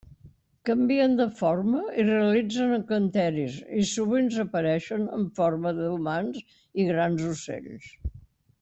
Canvien de forma i realitzen encanteris, i sovint apareixen en forma d'humans i grans ocells.